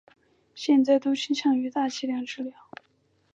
现在都倾向于大剂量治疗。